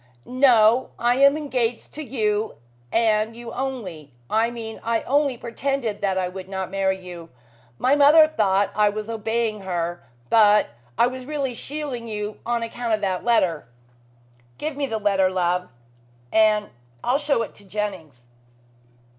"No. I am engaged to you and you only. I mean I only pretended that I would not marry you. My mother thought I was obeying her, but I was really shielding you on account of that letter." "Give me the letter, love, and I'll show it to Jennings."